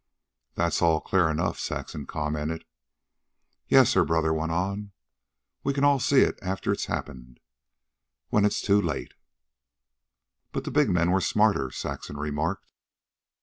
"That's all clear enough," Saxon commented. "Yes," her brother went on. "We can all see it after it's happened, when it's too late." "But the big men were smarter," Saxon remarked.